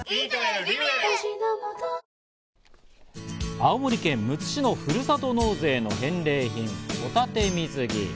青森県むつ市のふるさと納税の返礼品、ホタテ水着。